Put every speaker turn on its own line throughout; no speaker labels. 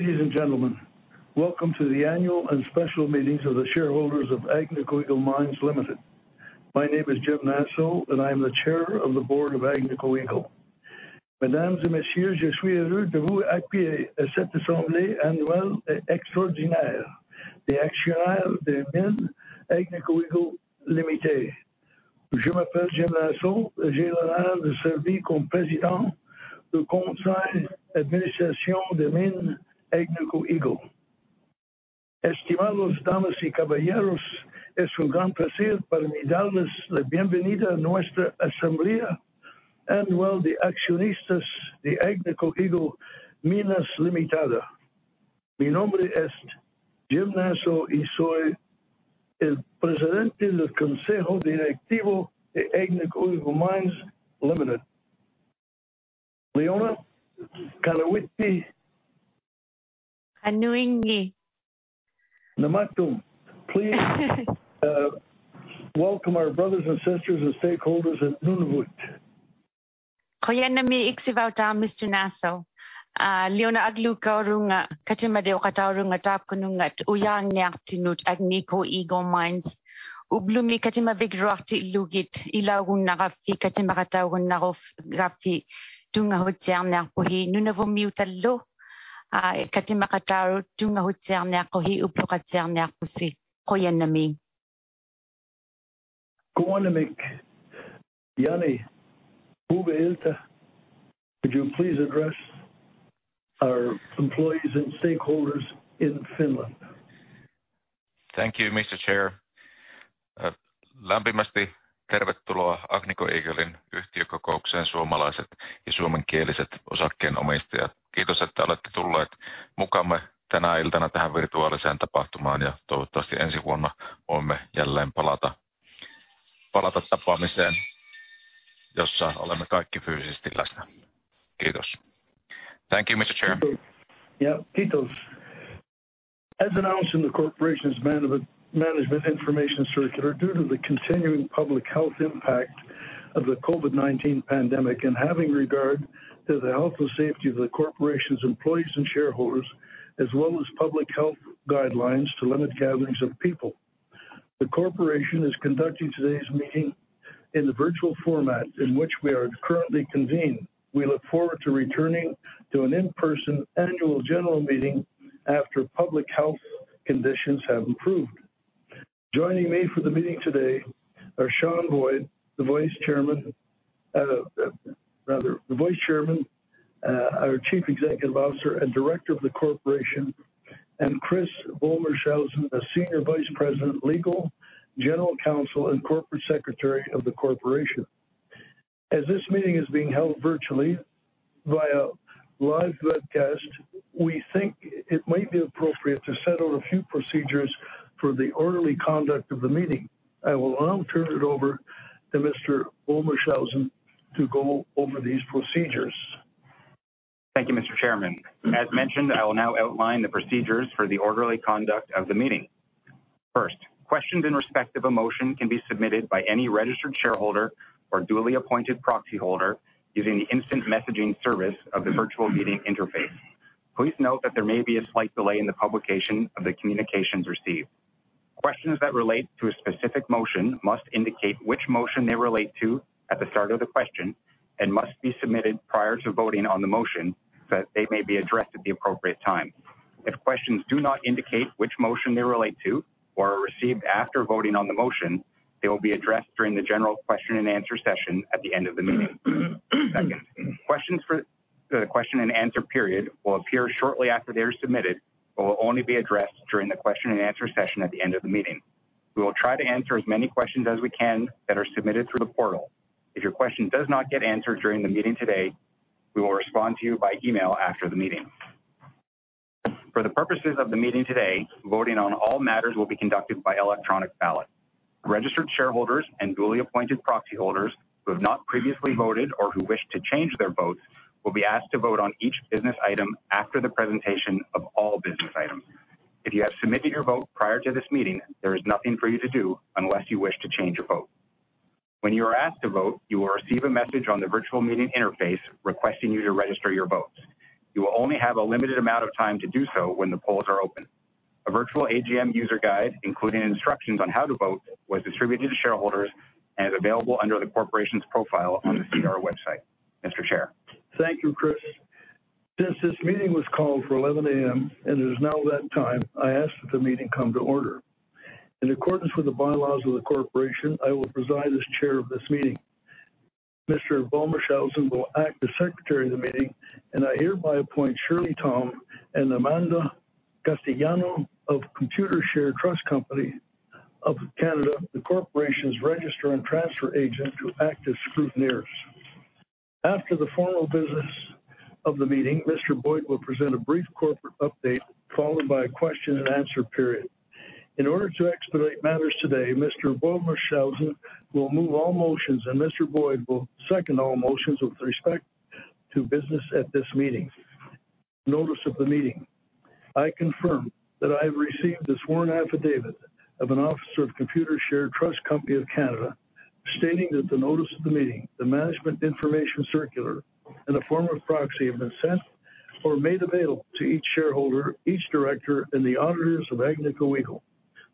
Ladies and gentlemen, welcome to the annual and special meetings of the shareholders of Agnico Eagle Mines Limited. My name is James D. Nasso, and I am the Chairman of the Board of Agnico Eagle. Please welcome our brothers and sisters and stakeholders in Nunavut.
Mr. Nasso. Agnico Eagle Mines. Nunavut
Could you please address our employees and stakeholders in Finland?
Thank you, Mr. Chair. Thank you, Mr. Chair.
As announced in the corporation's management information circular, due to the continuing public health impact of the COVID-19 pandemic, and having regard to the health and safety of the corporation's employees and shareholders, as well as public health guidelines to limit gatherings of people, the corporation is conducting today's meeting in the virtual format in which we are currently convened. We look forward to returning to an in-person annual general meeting after public health conditions have improved. Joining me for the meeting today are Sean Boyd, the Vice-Chairman, our Chief Executive Officer, and Director of the corporation, and Chris Vollmershausen, the Senior Vice President, Legal, General Counsel, and Corporate Secretary of the corporation. This meeting is being held virtually via live webcast, we think it might be appropriate to settle a few procedures for the orderly conduct of the meeting. I will now turn it over to Mr. Vollmershausen to go over these procedures.
Thank you, Mr. Chairman. As mentioned, I will now outline the procedures for the orderly conduct of the meeting. First, questions in respect of a motion can be submitted by any registered shareholder or duly appointed proxyholder using the instant messaging service of the virtual meeting interface. Please note that there may be a slight delay in the publication of the communications received. Questions that relate to a specific motion must indicate which motion they relate to at the start of the question and must be submitted prior to voting on the motion so that they may be addressed at the appropriate time. If questions do not indicate which motion they relate to or are received after voting on the motion, they will be addressed during the general question and answer session at the end of the meeting. Second, questions for the question and answer period will appear shortly after they are submitted but will only be addressed during the question and answer session at the end of the meeting. We will try to answer as many questions as we can that are submitted through the portal. If your question does not get answered during the meeting today, we will respond to you by email after the meeting. For the purposes of the meeting today, voting on all matters will be conducted by electronic ballot. Registered shareholders and duly appointed proxyholders who have not previously voted or who wish to change their votes will be asked to vote on each business item after the presentation of all business items. If you have submitted your vote prior to this meeting, there is nothing for you to do unless you wish to change your vote. When you are asked to vote, you will receive a message on the virtual meeting interface requesting you to register your votes. You will only have a limited amount of time to do so when the polls are open. A virtual AGM user guide, including instructions on how to vote, was distributed to shareholders and is available under the corporation's profile on the SEDAR website. Mr. Chair.
Thank you, Chris. Since this meeting was called for 11:00 A.M., and it is now that time, I ask that the meeting come to order. In accordance with the bylaws of the corporation, I will preside as chair of this meeting. Mr. Vollmershausen will act as secretary of the meeting, and I hereby appoint Shirley Tom and Amanda Castellano of Computershare Trust Company of Canada, the corporation's registrar and transfer agent, to act as scrutineers. After the formal business of the meeting, Mr. Boyd will present a brief corporate update, followed by a question and answer period. In order to expedite matters today, Mr. Vollmershausen will move all motions, and Mr. Boyd will second all motions with respect to business at this meeting. Notice of the meeting. I confirm that I have received the sworn affidavit of an officer of Computershare Trust Company of Canada stating that the notice of the meeting, the management information circular, and the form of proxy have been sent or made available to each shareholder, each director, and the auditors of Agnico Eagle.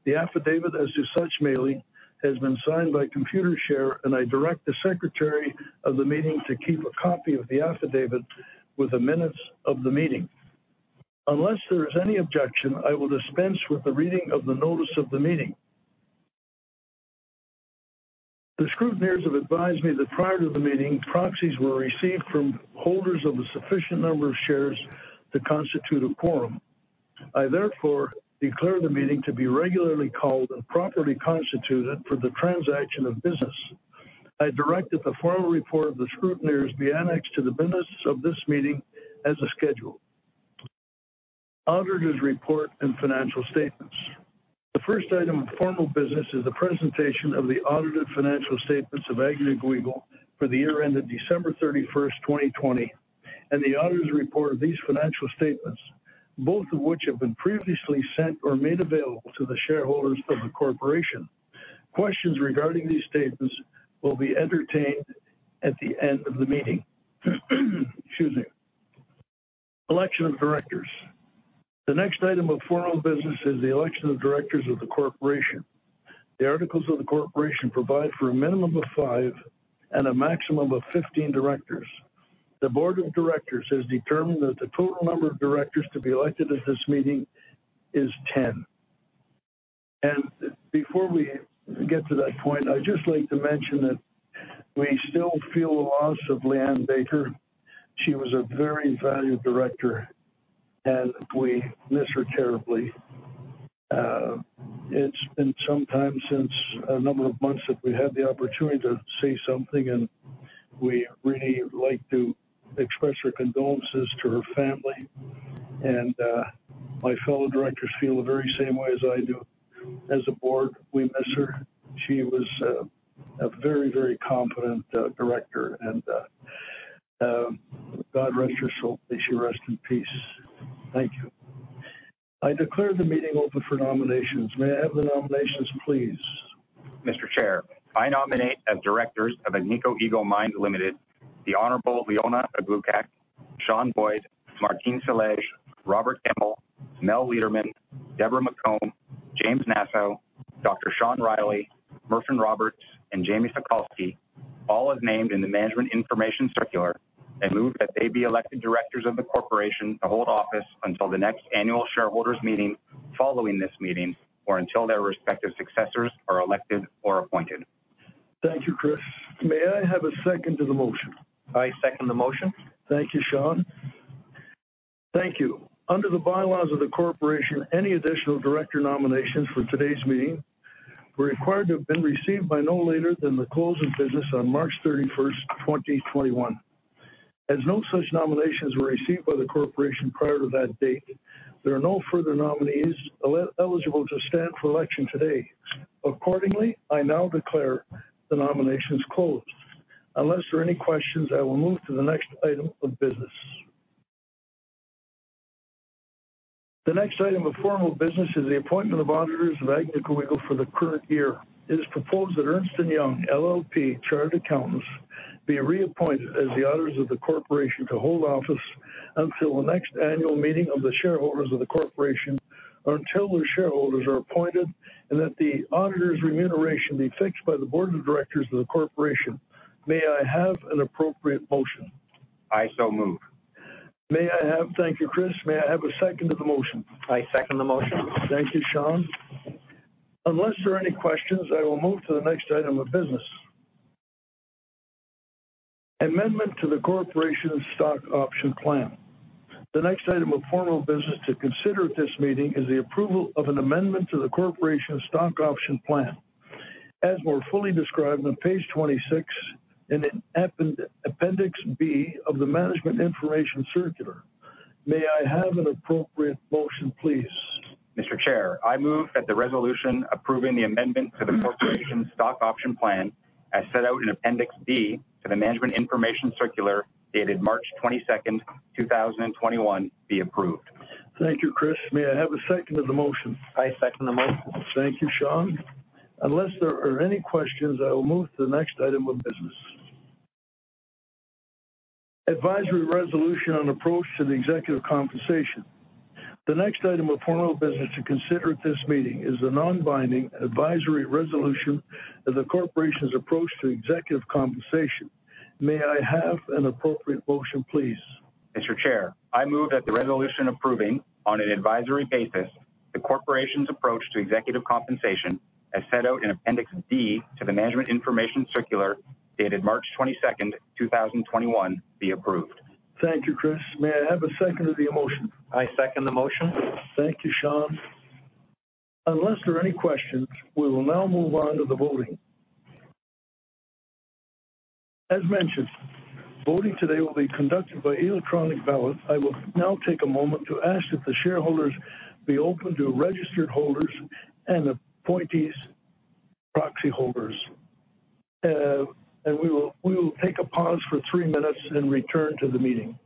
The affidavit as to such mailing has been signed by Computershare, I direct the Secretary of the meeting to keep a copy of the affidavit with the minutes of the meeting. Unless there is any objection, I will dispense with the reading of the notice of the meeting. The scrutineers have advised me that prior to the meeting, proxies were received from holders of a sufficient number of shares to constitute a quorum. I therefore declare the meeting to be regularly called and properly constituted for the transaction of business. I direct that the formal report of the scrutineers be annexed to the minutes of this meeting as a schedule. Auditors' report and financial statements. The first item of formal business is the presentation of the audited financial statements of Agnico Eagle for the year ended December 31st, 2020, and the auditors' report of these financial statements, both of which have been previously sent or made available to the shareholders of the corporation. Questions regarding these statements will be entertained at the end of the meeting. Excuse me. Election of directors. The next item of formal business is the election of directors of the corporation. The articles of the corporation provide for a minimum of five and a maximum of 15 directors. The board of directors has determined that the total number of directors to be elected at this meeting is 10. Before we get to that point, I'd just like to mention that we still feel the loss of Leanne Baker. She was a very valued director, and we miss her terribly. It's been some time, a number of months, since we had the opportunity to say something, and we'd really like to express our condolences to her family. My fellow directors feel the very same way as I do. As a board, we miss her. She was a very competent director, and God rest her soul. May she rest in peace. Thank you. I declare the meeting open for nominations. May I have the nominations, please?
Mr. Chair, I nominate as directors of Agnico Eagle Mines Limited, the Honorable Leona Aglukkaq, Sean Boyd, Martine A. Celej, Robert J. Gemmell, Mel Leiderman, Deborah McCombe, James D. Nasso, Dr. Sean Riley, J. Merfyn Roberts, and Jamie Sokalsky, all as named in the management information circular, and move that they be elected directors of the corporation to hold office until the next annual shareholders' meeting following this meeting or until their respective successors are elected or appointed.
Thank you, Chris. May I have a second to the motion?
I second the motion.
Thank you, Sean. Thank you. Under the bylaws of the corporation, any additional director nominations for today's meeting were required to have been received by no later than the close of business on March 31st, 2021. As no such nominations were received by the corporation prior to that date, there are no further nominees eligible to stand for election today. Accordingly, I now declare the nominations closed. Unless there are any questions, I will move to the next item of business. The next item of formal business is the appointment of auditors of Agnico Eagle for the current year. It is proposed that Ernst & Young LLP, Chartered Accountants, be reappointed as the auditors of the corporation to hold office until the next annual meeting of the shareholders of the corporation, or until the shareholders are appointed, and that the auditors' remuneration be fixed by the board of directors of the corporation. May I have an appropriate motion?
I so move.
Thank you, Chris. May I have a second to the motion?
I second the motion.
Thank you, Sean. Unless there are any questions, I will move to the next item of business. Amendment to the corporation's stock option plan. The next item of formal business to consider at this meeting is the approval of an amendment to the corporation's stock option plan, as more fully described on page 26 in Appendix B of the management information circular. May I have an appropriate motion, please?
Mr. Chair, I move that the resolution approving the amendment to the corporation's stock option plan, as set out in Appendix B to the management information circular dated March 22nd, 2021, be approved.
Thank you, Chris. May I have a seconder to the motion?
I second the motion.
Thank you, Sean. Unless there are any questions, I will move to the next item of business. Advisory Resolution on Approach to the Executive Compensation. The next item of formal business to consider at this meeting is a non-binding advisory resolution of the corporation's approach to executive compensation. May I have an appropriate motion, please?
Mr. Chair, I move that the resolution approving, on an advisory basis, the corporation's approach to executive compensation, as set out in Appendix D to the management information circular dated March 22nd, 2021, be approved.
Thank you, Chris. May I have a seconder to the motion?
I second the motion.
Thank you, Sean. Unless there are any questions, we will now move on to the voting. As mentioned, voting today will be conducted by electronic ballot. I will now take a moment to ask that the shareholders be open to registered holders and appointees' proxy holders. We will take a pause for three minutes then return to the meeting.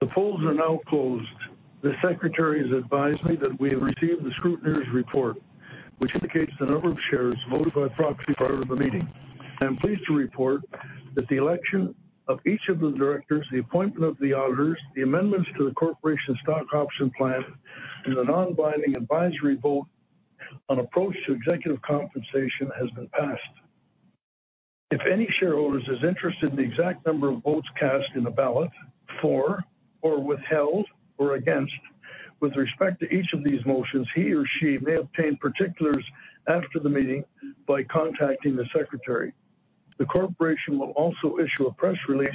The polls are now closed. The secretary has advised me that we have received the scrutineer's report, which indicates the number of shares voted by proxy prior to the meeting. I am pleased to report that the election of each of the directors, the appointment of the auditors, the amendments to the Corporation Stock Option Plan, and the non-binding advisory vote on approach to executive compensation has been passed. If any shareholder is interested in the exact number of votes cast in the ballot for or withheld or against with respect to each of these motions, he or she may obtain particulars after the meeting by contacting the secretary. The corporation will also issue a press release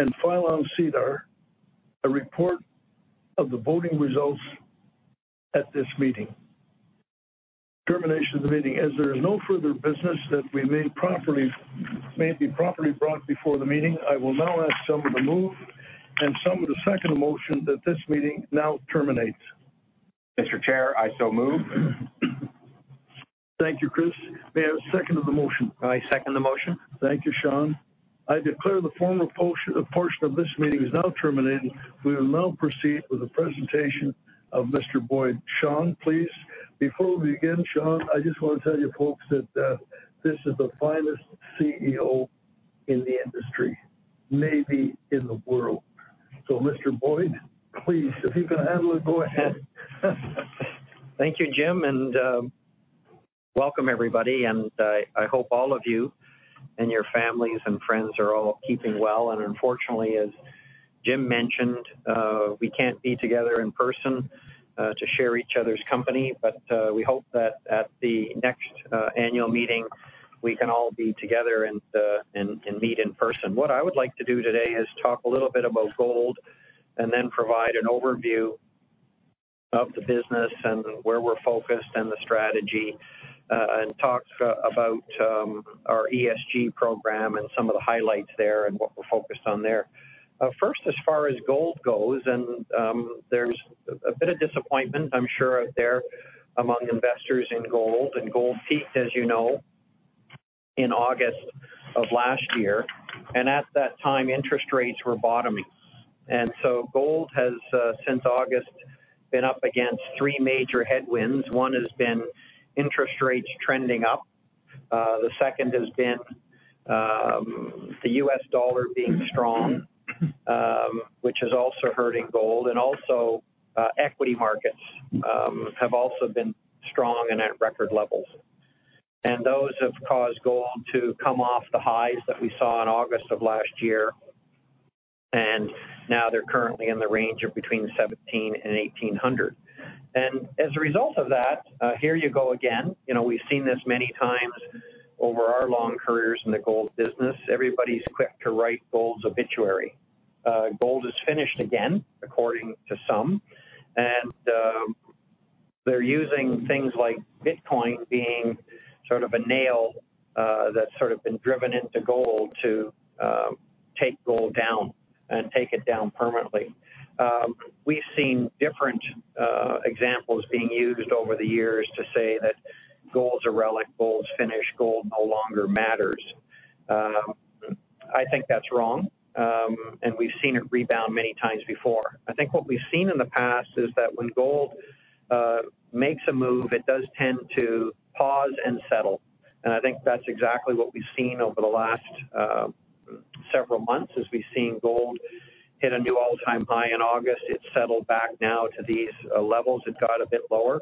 and file on SEDAR a report of the voting results at this meeting. Termination of the meeting. As there is no further business that may be properly brought before the meeting, I will now ask someone to move, and someone to second the motion that this meeting now terminates.
Mr. Chair, I so move.
Thank you, Chris. May I have a second to the motion?
I second the motion.
Thank you, Sean Boyd. I declare the formal portion of this meeting is now terminated. We will now proceed with the presentation of Sean Boyd. Sean Boyd, please. Before we begin, Sean Boyd, I just want to tell you folks that this is the finest CEO in the industry, maybe in the world. Sean Boyd, please, if you can handle it, go ahead.
Thank you, Jim. Welcome everybody, and I hope all of you and your families and friends are all keeping well. Unfortunately, as Jim mentioned, we can't be together in person to share each other's company. We hope that at the next annual meeting, we can all be together and meet in person. What I would like to do today is talk a little bit about gold, and then provide an overview of the business and where we're focused and the strategy, and talk about our ESG program and some of the highlights there and what we're focused on there. First, as far as gold goes, there's a bit of disappointment, I'm sure out there among investors in gold. Gold peaked, as you know, in August of last year. At that time, interest rates were bottoming. Gold has, since August, been up against three major headwinds. One has been interest rates trending up. The second has been the U.S. dollar being strong, which is also hurting gold. Equity markets have also been strong and at record levels. Those have caused gold to come off the highs that we saw in August of last year. They're currently in the range of between 1,700 and 1,800. As a result of that, here you go again. We've seen this many times over our long careers in the gold business. Everybody's quick to write gold's obituary. Gold is finished again, according to some. They're using things like Bitcoin being sort of a nail that's sort of been driven into gold to take gold down and take it down permanently. We've seen different examples being used over the years to say that gold's a relic, gold's finished, gold no longer matters. I think that's wrong, and we've seen it rebound many times before. I think what we've seen in the past is that when gold makes a move, it does tend to pause and settle, and I think that's exactly what we've seen over the last several months, as we've seen gold hit a new all-time high in August. It's settled back now to these levels. It got a bit lower.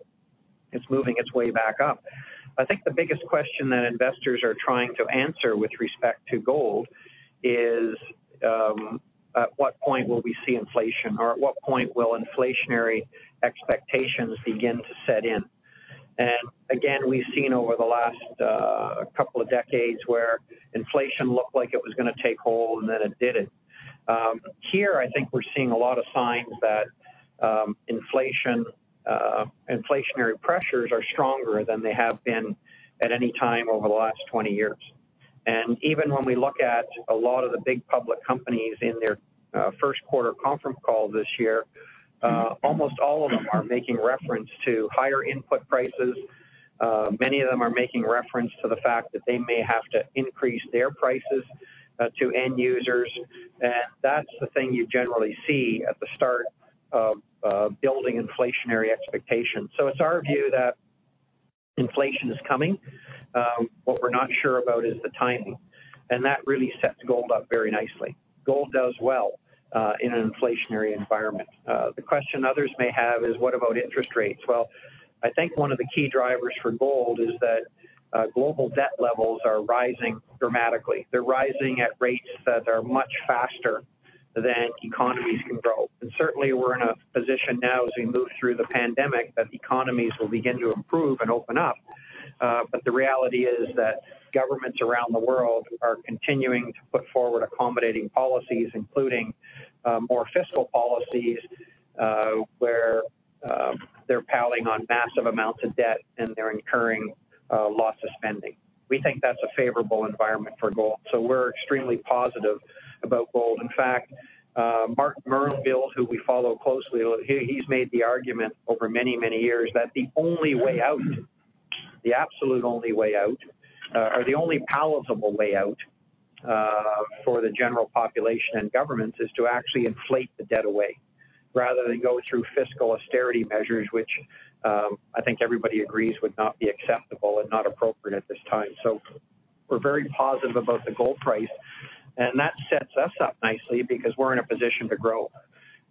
It's moving its way back up. I think the biggest question that investors are trying to answer with respect to gold is at what point will we see inflation, or at what point will inflationary expectations begin to set in? Again, we've seen over the last couple of decades where inflation looked like it was going to take hold, and then it didn't. Here, I think we're seeing a lot of signs that inflationary pressures are stronger than they have been at any time over the last 20 years. Even when we look at a lot of the big public companies in their first quarter conference call this year, almost all of them are making reference to higher input prices. Many of them are making reference to the fact that they may have to increase their prices to end users. That's the thing you generally see at the start of building inflationary expectations. It's our view that inflation is coming. What we're not sure about is the timing. That really sets gold up very nicely. Gold does well in an inflationary environment. The question others may have is what about interest rates? Well, I think one of the key drivers for gold is that global debt levels are rising dramatically. They're rising at rates that are much faster than economies can grow. Certainly, we're in a position now as we move through the pandemic that economies will begin to improve and open up. The reality is that governments around the world are continuing to put forward accommodating policies, including more fiscal policies, where they're piling on massive amounts of debt and they're incurring lots of spending. We think that's a favorable environment for gold, we're extremely positive about gold. In fact, Mark Mobius, who we follow closely, he's made the argument over many, many years that the only way out, the absolute only way out, or the only palatable way out for the general population and governments is to actually inflate the debt away rather than go through fiscal austerity measures, which I think everybody agrees would not be acceptable and not appropriate at this time. We're very positive about the gold price, and that sets us up nicely because we're in a position to grow.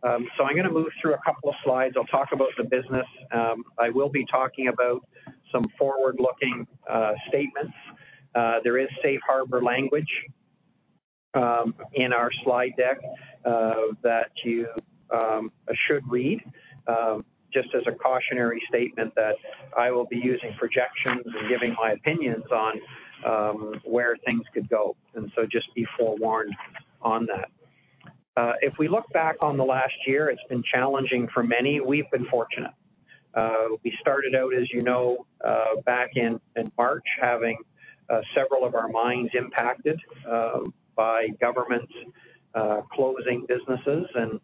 I'm going to move through a couple of slides. I'll talk about the business. I will be talking about some forward-looking statements. There is safe harbor language in our slide deck that you should read, just as a cautionary statement that I will be using projections and giving my opinions on where things could go. Just be forewarned on that. If we look back on the last year, it's been challenging for many. We've been fortunate. We started out, as you know, back in March, having several of our mines impacted by governments closing businesses, and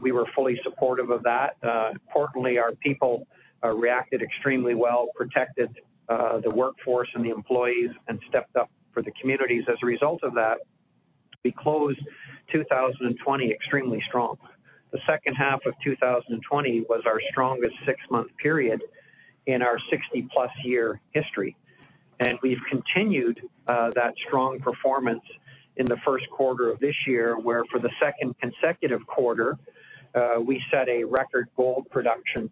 we were fully supportive of that. Importantly, our people reacted extremely well, protected the workforce and the employees, and stepped up for the communities as a result of that. We closed 2020 extremely strong. The second half of 2020 was our strongest six month period in our 60+ year history. We've continued that strong performance in the first quarter of this year, where for the second consecutive quarter, we set a record gold production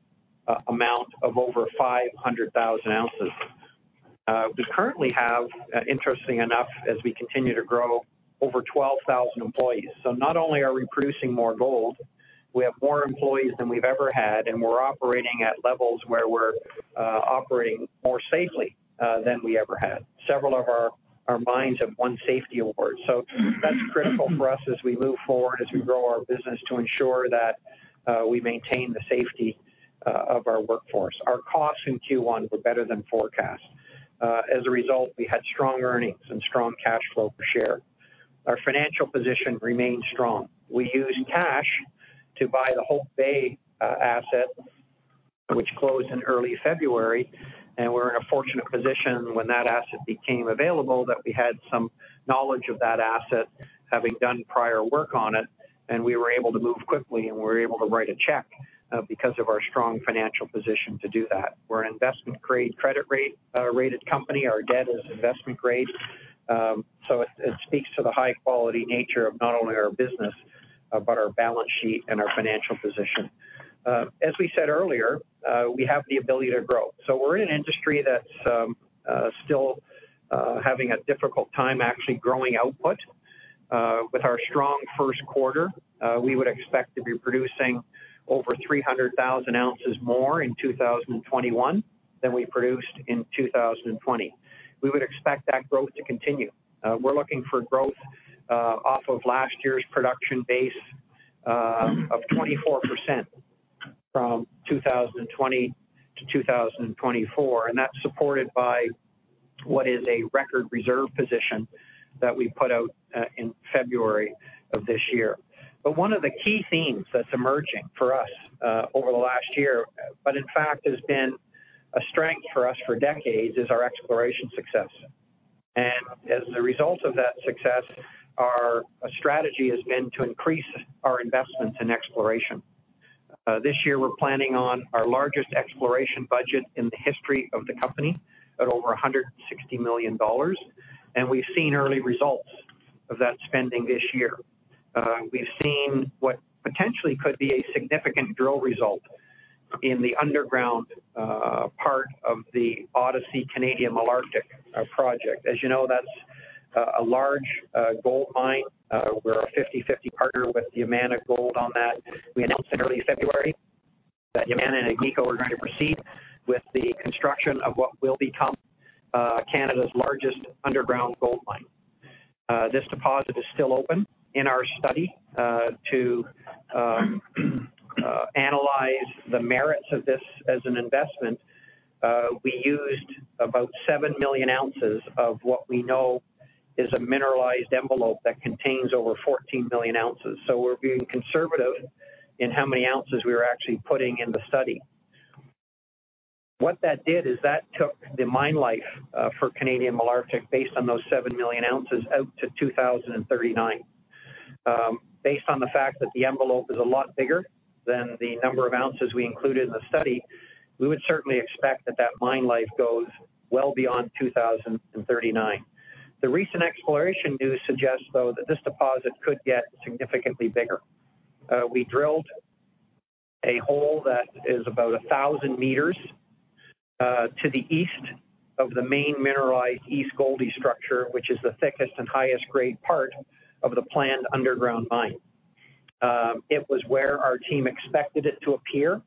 amount of over 500,000 announces. We currently have, interestingly enough, as we continue to grow, over 12,000 employees. Not only are we producing more gold, we have more employees than we've ever had, and we're operating at levels where we're operating more safely than we ever had. Several of our mines have won safety awards, so that's critical for us as we move forward, as we grow our business to ensure that we maintain the safety of our workforce. Our costs in Q1 were better than forecast. As a result, we had strong earnings and strong cash flow per share. Our financial position remains strong. We used cash to buy the Hope Bay asset, which closed in early February. We were in a fortunate position when that asset became available, that we had some knowledge of that asset, having done prior work on it. We were able to move quickly. We were able to write a check because of our strong financial position to do that. We're an investment-grade credit rated company. Our debt is investment grade. It speaks to the high-quality nature of not only our business but our balance sheet and our financial position. As we said earlier, we have the ability to grow. We're in an industry that's still having a difficult time actually growing output. With our strong first quarter, we would expect to be producing over 300,000 ounces more in 2021 than we produced in 2020. We would expect that growth to continue. We're looking for growth off of last year's production base of 24% from 2020-2024. That's supported by what is a record reserve position that we put out in February of this year. One of the key themes that's emerging for us over the last year, but in fact has been a strength for us for decades, is our exploration success. As a result of that success, our strategy has been to increase our investments in exploration. This year, we're planning on our largest exploration budget in the history of the company, at over 160 million dollars. We've seen early results of that spending this year. We've seen what potentially could be a significant drill result in the underground part of the Odyssey Canadian Malartic project. As you know, that's a large gold mine. We're a 50/50 partner with Yamana Gold on that. We announced in early February that Yamana and Agnico are going to proceed with the construction of what will become Canada's largest underground gold mine. This deposit is still open in our study to analyze the merits of this as an investment. We used about seven million ounces of what we know is a mineralized envelope that contains over 14 million ounces. We're being conservative in how many ounces we are actually putting in the study. What that did is that took the mine life for Canadian Malartic, based on those seven million ounces, out to 2039. Based on the fact that the envelope is a lot bigger than the number of ounces we included in the study, we would certainly expect that that mine life goes well beyond 2039. The recent exploration news suggests, though, that this deposit could get significantly bigger. We drilled a hole that is about 1,000 meters to the east of the main mineralized East Goldie structure, which is the thickest and highest grade part of the planned underground mine. It was where our team expected it to appear,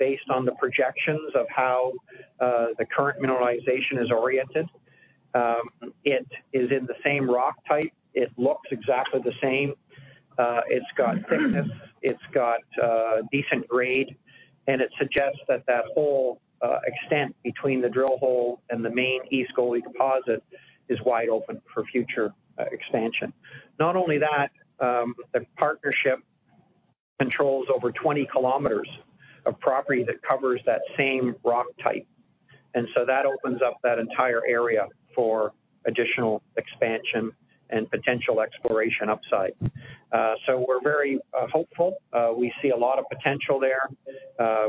based on the projections of how the current mineralization is oriented. It is in the same rock type. It looks exactly the same. It's got thickness, it's got decent grade, and it suggests that that whole extent between the drill hole and the main East Goldie deposit is wide open for future expansion. Not only that, the partnership controls over 20 km of property that covers that same rock type, and so that opens up that entire area for additional expansion and potential exploration upside. We're very hopeful. We see a lot of potential there.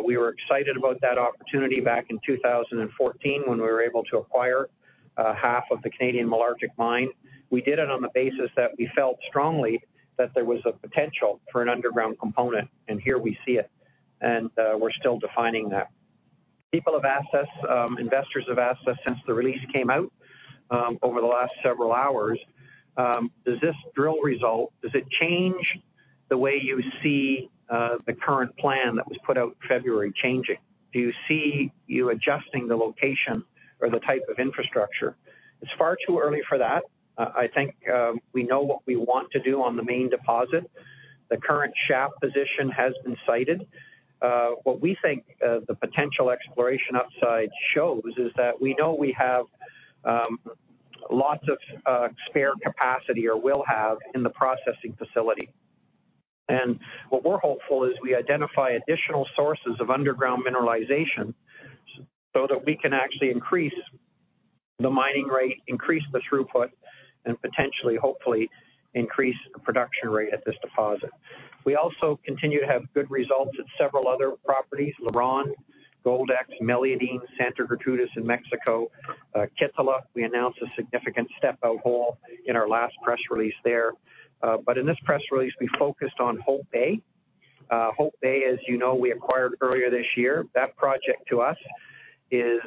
We were excited about that opportunity back in 2014 when we were able to acquire half of the Canadian Malartic mine. We did it on the basis that we felt strongly that there was a potential for an underground component, and here we see it, and we're still defining that. People have asked us, investors have asked us since the release came out over the last several hours, does this drill result change the way you see the current plan that was put out in February changing? Do you see you adjusting the location or the type of infrastructure? It's far too early for that. I think we know what we want to do on the main deposit. The current shaft position has been cited. What we think the potential exploration upside shows is that we know we have lots of spare capacity or will have in the processing facility. What we're hopeful is we identify additional sources of underground mineralization so that we can actually increase the mining rate, increase the throughput, and potentially, hopefully, increase the production rate at this deposit. We also continue to have good results at several other properties, LaRonde, Goldex, Meliadine, Santa Gertrudis in Mexico, Kittilä. We announced a significant step-out hole in our last press release there. In this press release, we focused on Hope Bay. Hope Bay, as you know, we acquired earlier this year. That project to us is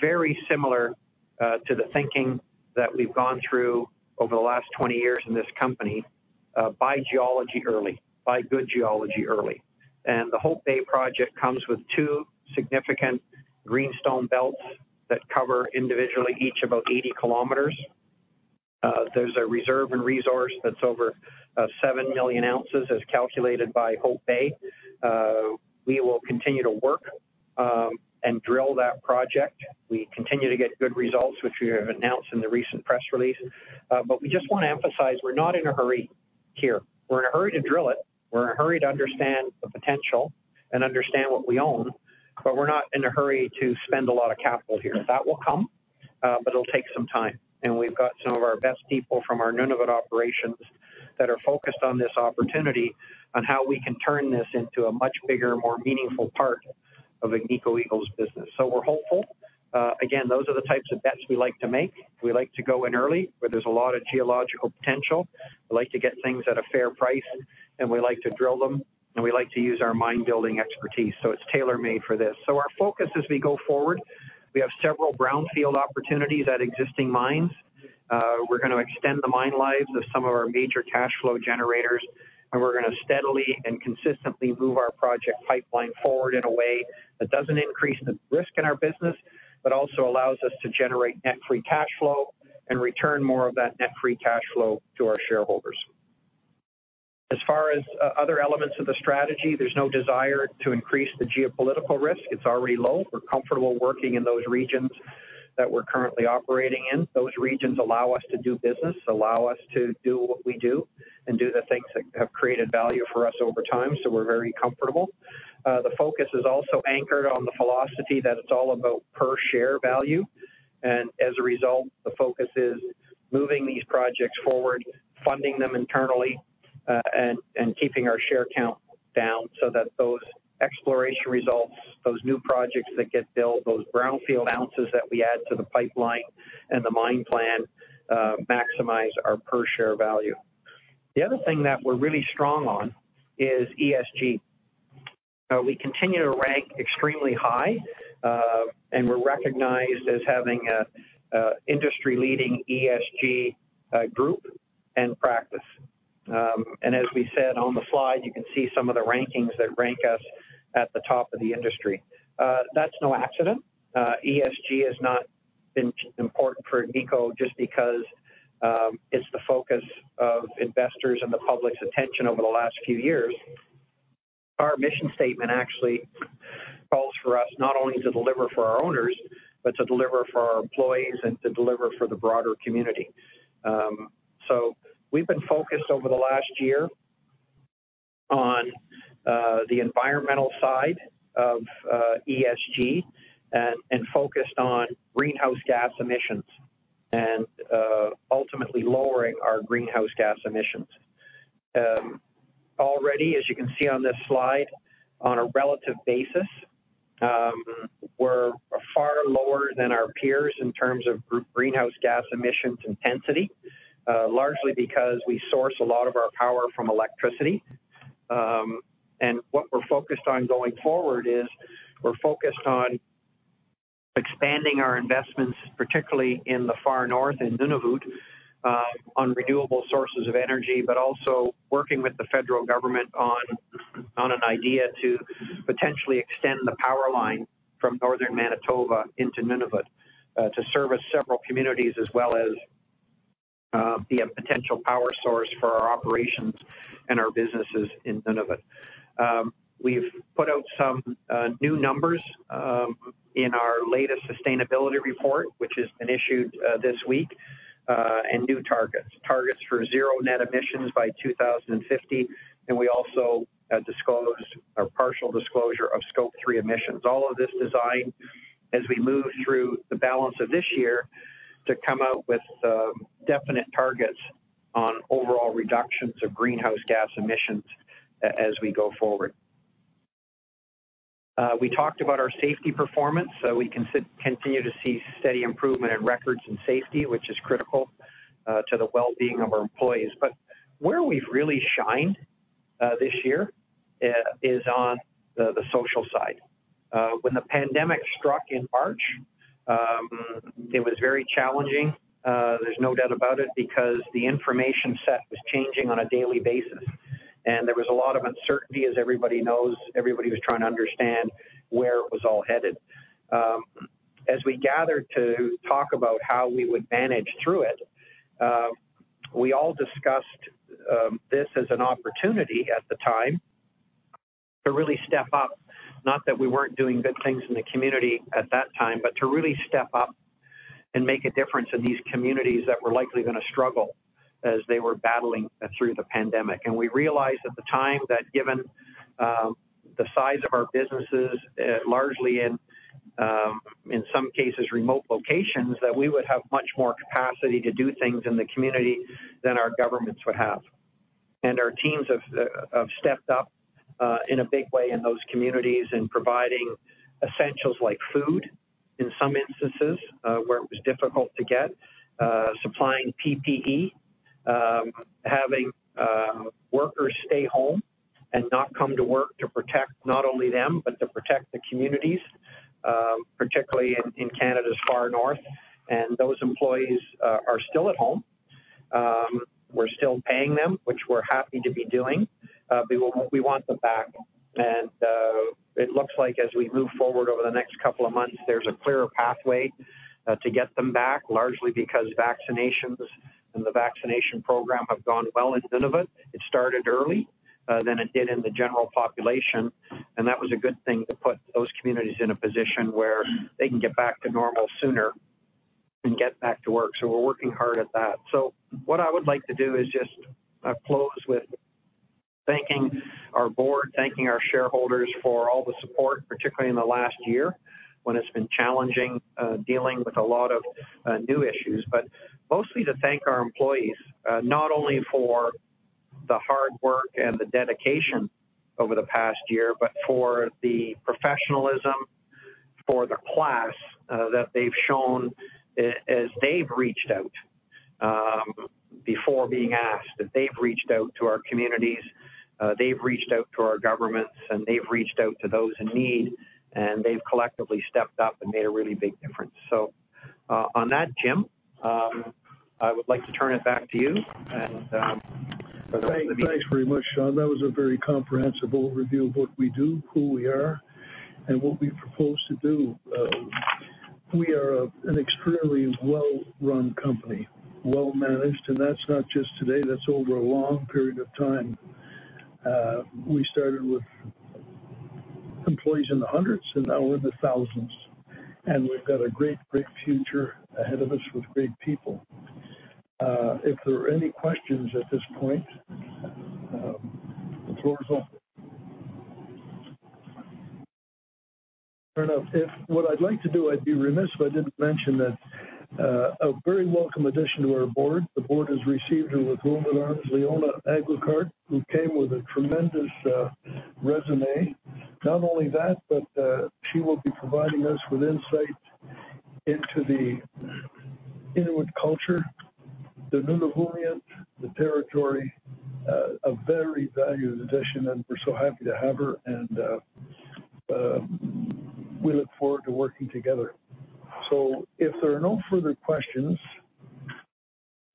very similar to the thinking that we've gone through over the last 20 years in this company. Buy geology early. Buy good geology early. The Hope Bay project comes with two significant greenstone belts that cover individually each about 80 km. There's a reserve in resource that's over seven million ounces, as calculated by Hope Bay. We will continue to work and drill that project. We continue to get good results, which we have announced in the recent press release. We just want to emphasize we're not in a hurry here. We're in a hurry to drill it. We're in a hurry to understand the potential and understand what we own, but we're not in a hurry to spend a lot of capital here. That will come, but it'll take some time. We've got some of our best people from our Nunavut operations that are focused on this opportunity on how we can turn this into a much bigger, more meaningful part of Agnico Eagle's business. We're hopeful. Again, those are the types of bets we like to make. We like to go in early, where there's a lot of geological potential. We like to get things at a fair price, and we like to drill them, and we like to use our mine building expertise, so it's tailor-made for this. Our focus as we go forward, we have several brownfield opportunities at existing mines. We're going to extend the mine lives of some of our major cash flow generators, and we're going to steadily and consistently move our project pipeline forward in a way that doesn't increase the risk in our business, but also allows us to generate net free cash flow and return more of that net free cash flow to our shareholders. As far as other elements of the strategy, there's no desire to increase the geopolitical risk. It's already low. We're comfortable working in those regions that we're currently operating in. Those regions allow us to do business, allow us to do what we do, and do the things that have created value for us over time, so we're very comfortable. The focus is also anchored on the philosophy that it's all about per share value. As a result, the focus is moving these projects forward, funding them internally, and keeping our share count down so that those exploration results, those new projects that get built, those brownfield ounces that we add to the pipeline and the mine plan, maximize our per share value. The other thing that we're really strong on is ESG. We continue to rank extremely high, and we're recognized as having an industry-leading ESG group and practice. As we said on the slide, you can see some of the rankings that rank us at the top of the industry. That's no accident. ESG has not been important for Agnico just because it's the focus of investors' and the public's attention over the last few years. Our mission statement actually calls for us not only to deliver for our owners, but to deliver for our employees and to deliver for the broader community. We've been focused over the last year on the environmental side of ESG and focused on greenhouse gas emissions and ultimately lowering our greenhouse gas emissions. Already, as you can see on this slide, on a relative basis, we're far lower than our peers in terms of greenhouse gas emissions intensity, largely because we source a lot of our power from electricity. What we're focused on going forward is we're focused on expanding our investments, particularly in the far north in Nunavut, on renewable sources of energy, but also working with the federal government on an idea to potentially extend the power line from Northern Manitoba into Nunavut to service several communities as well as be a potential power source for our operations and our businesses in Nunavut. We've put out some new numbers in our latest sustainability report, which has been issued this week, and new targets. Targets for zero net emissions by 2050, and we also disclosed a partial disclosure of Scope 3 emissions. All of this designed as we move through the balance of this year to come out with definite targets on overall reductions of greenhouse gas emissions as we go forward. We talked about our safety performance. We continue to see steady improvement in records and safety, which is critical to the well-being of our employees. Where we've really shined this year is on the social side. When the pandemic struck in March, it was very challenging, there's no doubt about it, because the information set was changing on a daily basis, and there was a lot of uncertainty, as everybody knows. Everybody was trying to understand where it was all headed. As we gathered to talk about how we would manage through it, we all discussed this as an opportunity at the time to really step up. Not that we weren't doing good things in the community at that time, but to really step up and make a difference in these communities that were likely going to struggle as they were battling through the pandemic. We realized at the time that given the size of our businesses, largely in some cases remote locations, that we would have much more capacity to do things in the community than our governments would have. Our teams have stepped up in a big way in those communities in providing essentials like food, in some instances, where it was difficult to get, supplying PPE, having workers stay home and not come to work to protect not only them, but to protect the communities, particularly in Canada's far north. Those employees are still at home. We're still paying them, which we're happy to be doing. We want them back, and it looks like as we move forward over the next couple of months, there's a clearer pathway to get them back, largely because vaccinations and the vaccination program have gone well in Nunavut. It started early than it did in the general population, and that was a good thing to put those communities in a position where they can get back to normal sooner and get back to work. We're working hard at that. What I would like to do is just close with thanking our board, thanking our shareholders for all the support, particularly in the last year when it's been challenging dealing with a lot of new issues. Mostly to thank our employees, not only for the hard work and the dedication over the past year, but for the professionalism, for the class that they've shown as they've reached out before being asked, that they've reached out to our communities, they've reached out to our governments, and they've reached out to those in need. They've collectively stepped up and made a really big difference. On that, Jim, I would like to turn it back to you.
Thanks very much, Sean. That was a very comprehensive overview of what we do, who we are, and what we propose to do. We are an extremely well-run company, well-managed, and that's not just today, that's over a long period of time. We started with employees in the hundreds, now we're in the thousands. We've got a great future ahead of us with great people. If there are any questions at this point, the floor is open. Fair enough. What I'd like to do, I'd be remiss if I didn't mention a very welcome addition to our board. The board has received her with open arms, Leona Aglukkaq, who came with a tremendous resume. Not only that, but she will be providing us with insight into the Inuit culture, the Nunavummiut, the territory. A very valued addition. We're so happy to have her. We look forward to working together. If there are no further questions,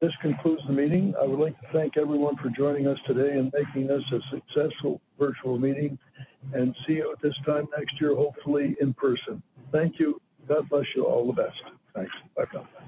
this concludes the meeting. I would like to thank everyone for joining us today and making this a successful virtual meeting, and see you at this time next year, hopefully in person. Thank you. God bless you all. The best. Thanks. Bye now.